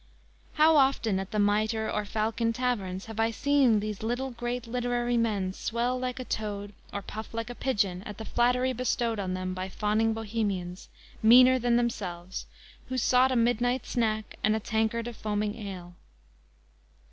"_ How often at the Miter or Falcon taverns have I seen these little great literary men swell like a toad or puff like a pigeon at the flattery bestowed on them by fawning bohemians, meaner than themselves, who sought a midnight snack and a tankard of foaming ale.